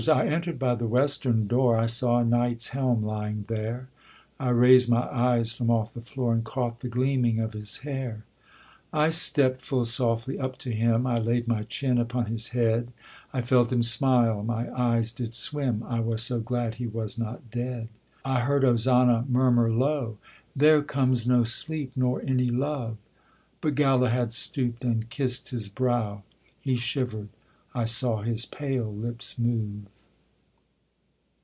I enter'd by the western door; I saw a knight's helm lying there: I raised my eyes from off the floor, And caught the gleaming of his hair. I stept full softly up to him; I laid my chin upon his head; I felt him smile; my eyes did swim, I was so glad he was not dead. I heard Ozana murmur low, 'There comes no sleep nor any love.' But Galahad stoop'd and kiss'd his brow: He shiver'd; I saw his pale lips move.